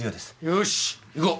よーし行こう！